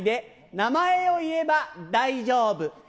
名前を言えば大丈夫。